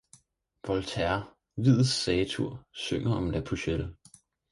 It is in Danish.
Voltaire, viddets satyr, synger om La pucelle.